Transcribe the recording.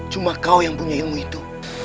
cuma kau yang punya ilmu itu